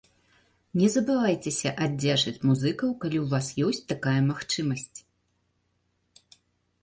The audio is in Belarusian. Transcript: Не забывайцеся аддзячыць музыкаў, калі ў вас ёсць такая магчымасць.